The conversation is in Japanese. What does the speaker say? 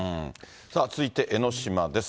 さあ、続いて、江の島です。